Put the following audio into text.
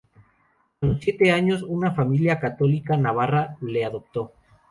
A los siete años una familia católica navarra le adoptó.